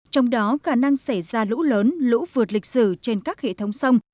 trong đó khả năng xảy ra lũ lớn lũ vượt lịch sử trên các hệ thống sông